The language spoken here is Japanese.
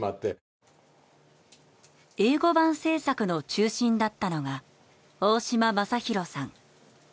英語版制作の中心だったのが大嶋賢洋さん。